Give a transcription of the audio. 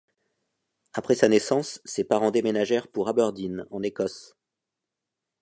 Après sa naissance, ses parents déménagèrent pour Aberdeen en Écosse.